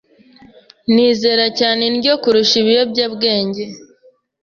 Nizera cyane indyo kuruta ibiyobyabwenge.